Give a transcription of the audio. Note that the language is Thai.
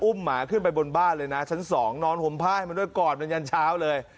หมาขึ้นไปบนบ้านเลยนะชั้นสองนอนห่มผ้าให้มันด้วยกอดมันยันเช้าเลย